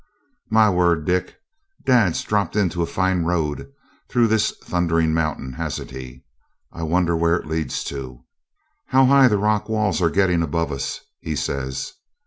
'My word, Dick, dad's dropped into a fine road through this thundering mountain, hasn't he? I wonder where it leads to? How high the rock walls are getting above us!' he says.